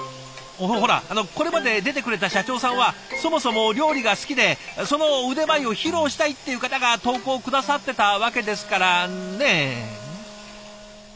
ほらこれまで出てくれた社長さんはそもそも料理が好きでその腕前を披露したいっていう方が投稿を下さってたわけですからね。